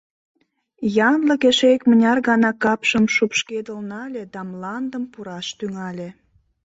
Янлык эше икмыняр гана капшым шупшкедыл нале да мландым пураш тӱҥале.